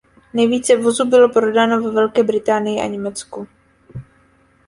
Nejvíce vozů bylo prodáno ve Velké Británii a Německu.